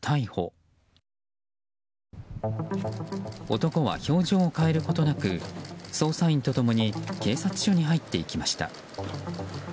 男は表情を変えることなく捜査員と共に警察署に入っていきました。